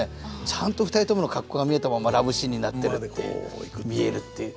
ちゃんと２人ともの格好が見えたままラブシーンになってるっていう見えるっていう。